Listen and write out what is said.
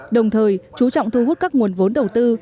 đồng thời chú trọng thu hút các nguồn vốn đầu tư